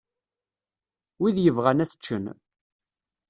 Wid yebɣan ad t-ččen.